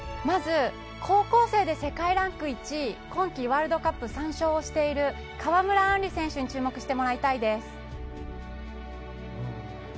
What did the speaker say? まず高校生で世界ランク１位今季ワールドカップで３勝をしている川村あんり選手に注目してもらいたいです。